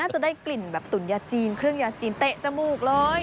จะได้กลิ่นแบบตุ๋นยาจีนเครื่องยาจีนเตะจมูกเลย